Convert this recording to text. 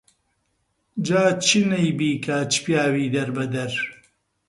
جا چ نەی بیکا چ پیاوی دەربەدەر